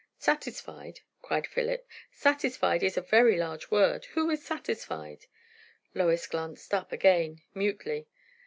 "Satisfied!" cried Philip. "Satisfied is a very large word. Who is satisfied?" Lois glanced up again, mutely.